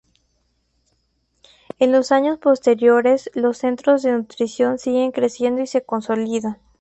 En los años posteriores, los Centros de Nutrición siguen creciendo y se consolidan.